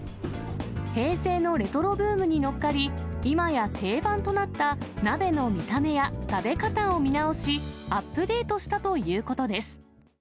平成のレトロブームに乗っかり、今や定番となった、鍋の見た目や食べ方を見直し、アップデートしたということです。